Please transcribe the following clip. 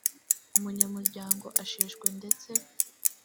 umunyamuryango asheshwe ndetse